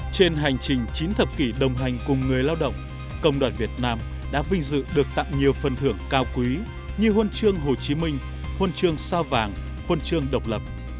trên hành trình chín thập kỷ đồng hành cùng người lao động công đoàn việt nam đã vinh dự được tặng nhiều phần thưởng cao quý như huân chương hồ chí minh huân chương sao vàng huân chương độc lập